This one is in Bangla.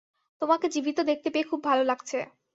তোমাকে জীবিত দেখতে পেয়ে খুব ভালো লাগছে!